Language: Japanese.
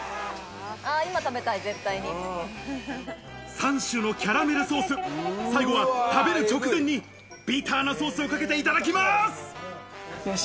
三種のキャラメルソース、最後は食べる直前にビターなソースをかけていただきます。